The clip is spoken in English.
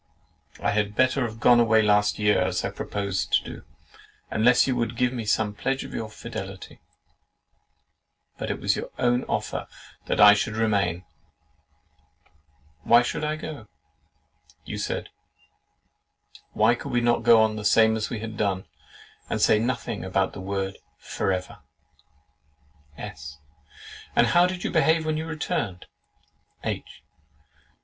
I had better have gone away last year, as I proposed to do, unless you would give some pledge of your fidelity; but it was your own offer that I should remain. 'Why should I go?' you said, 'Why could we not go on the same as we had done, and say nothing about the word FOREVER?'" S. "And how did you behave when you returned?" H.